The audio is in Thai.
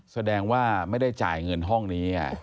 แสดงว่าไม่ได้จ่ายเงินห้องนี้